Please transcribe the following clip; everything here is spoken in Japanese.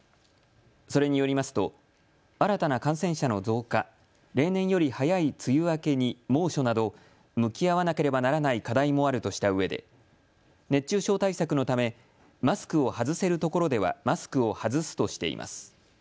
それによりますと新たな感染者の増加、例年より早い梅雨明けに猛暑など向き合わなければならない課題もあるとしたうえで熱中症対策のためマスクを外せるところではマスクを外すとしています。